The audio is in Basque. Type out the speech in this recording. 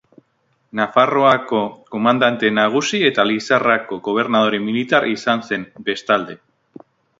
Nafarroako komandante nagusi eta Lizarrako gobernadore militar izan zen, bestalde.